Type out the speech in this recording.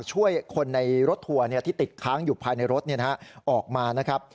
ช่วยคนในรถทัวร์ที่ติดค้างอยู่ภายในรถออกมานะครับ